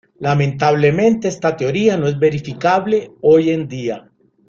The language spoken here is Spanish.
Lamentablemente, esta teoría no es verificable hoy en día.